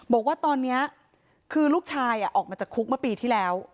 บอกว่าตอนนี้คือลูกชายออกมาจากคุกเมื่อปีที่แล้ว